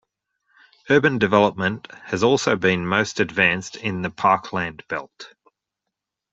Urban development has also been most advanced in the parkland belt.